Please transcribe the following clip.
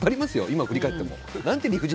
今、振り返っても。